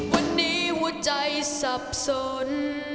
วันนี้หัวใจสับสน